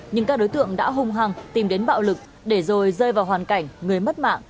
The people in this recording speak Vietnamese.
nhưng các đối tượng đã hung hăng tìm đến bạo lực để rồi rơi vào hoàn cảnh người mất mạng